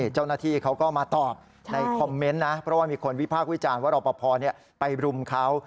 เจ้าหน้าที่เขาก็มาตอบในคอมเมนต์นะเพราะว่ามีคนวิพากษ์วิจารณ์ว่ารอปภไปรุมเขา